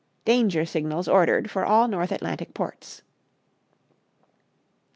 Danger signals ordered for all North Atlantic ports."